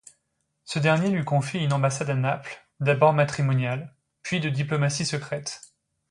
Ce dernier lui confie une ambassade à Naples, d'abord matrimoniale, puis de diplomatie secrète.